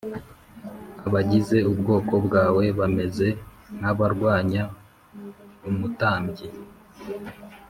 Abagize ubwoko bwawe bameze nk abarwanya umutambyi